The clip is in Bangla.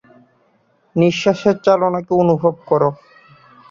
নিশ্বাসের চালনাকে অনুভব করো।